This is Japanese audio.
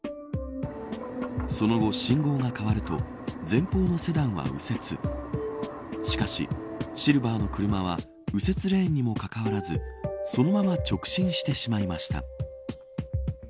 その後、信号が変わると前方のセダンは右折しかし、シルバーの車は右折レーンにもかかわらずそのまま直進してしまいました。